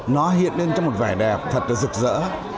nó hiện lên cho một vẻ đẹp thật là rực rỡ